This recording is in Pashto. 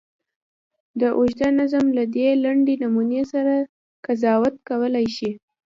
د اوږده نظم له دې لنډې نمونې سړی قضاوت کولای شي.